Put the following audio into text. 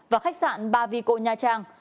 và khách sạn ba vico nha trang